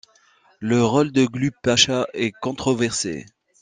Le rôle de Glubb Pacha est controversé.